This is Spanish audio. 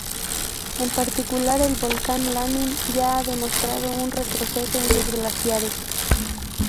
En particular, el Volcán Lanín ya ha demostrado un retroceso en sus glaciares.